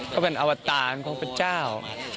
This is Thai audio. ก็เป็นอวตารของพระเจ้า